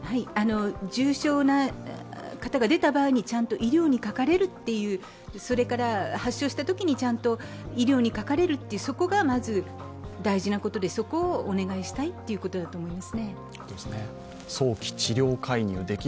重症の方が出た場合にちゃんと医療にかかれる、それから発症したときに、ちゃんと医療にかかれる、そこがまず大事なことで、そこをお願いしたいということだと思います。